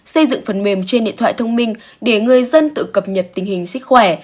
xây dựng phần mềm trên điện thoại thông minh để người dân tự cập nhật tình hình sức khỏe